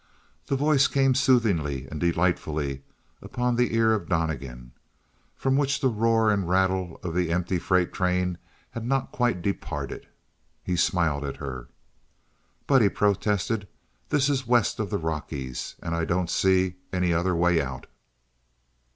That voice came soothingly and delightfully upon the ear of Donnegan, from which the roar and rattle of the empty freight train had not quite departed. He smiled at her. "But," he protested, "this is west of the Rockies and I don't see any other way out."